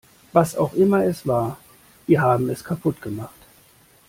Was auch immer es war, wir haben es kaputt gemacht.